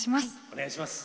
お願いします。